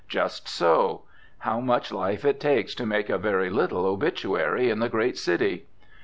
Just so. How much life it takes to make a very little obituary in the great city!